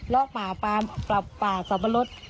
ลอกป่าป่าสับปะรด